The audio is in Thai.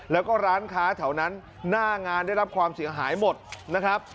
แล้วก็ร้านค้าแถวนั้นหน้างานได้รับความเสียหายหมดนะครับ